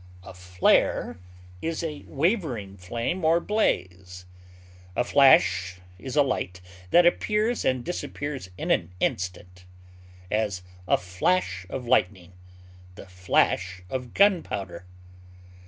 A flare is a wavering flame or blaze; a flash is a light that appears and disappears in an instant; as, a flash of lightning; the flash of gunpowder.